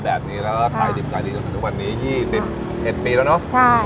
แบบนี้แล้วก็ขายดิบกายดีจนถึงตอนนี้ยี่สิบเจ็ดปีแล้วเนอะใช่